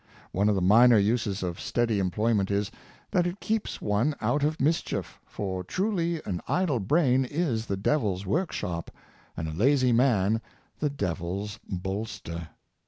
One of the minor uses of steady employment is, that it keeps one out of mischief, for truly an idle brain is the devil's workshop, and a lazy man the devil's bolster.